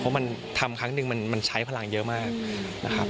เพราะมันทำครั้งหนึ่งมันใช้พลังเยอะมากนะครับ